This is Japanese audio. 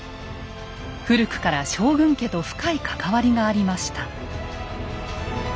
古くから将軍家と深い関わりがありました。